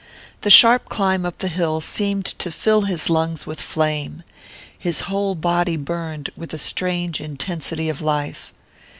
The sharp climb up the hill seemed to fill his lungs with flame: his whole body burned with a strange intensity of life.